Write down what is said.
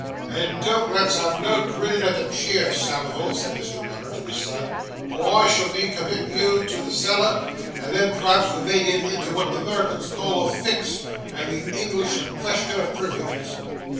'And don't let's have no grinnin' at the cheer, Samivel,' said Mr. Weller to his son, 'or I shall be committin' you to the cellar, and then p'r'aps we may get into what the 'Merrikins call a fix, and the English a qvestion o' privileges.